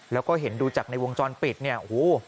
แล้วก็เห็นดูจากในวงจรปิดเนี่ยโอ้โห